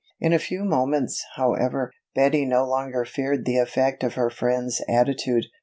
In a few moments, however, Betty no longer feared the effect of her friend's attitude.